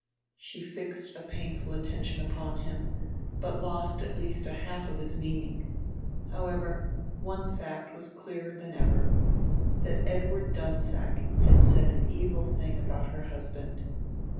She fixed a painful attention upon him, but lost at least a half of his meaning. However, one fact was clearer than ever that Edward Dunsack had said an evil thing about her husband.